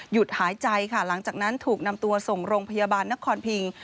หายใจค่ะหลังจากนั้นถูกนำตัวส่งโรงพยาบาลนครพิง